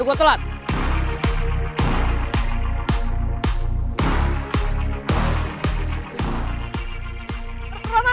jadi lo tau semua